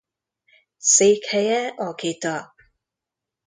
Székhelye Akita.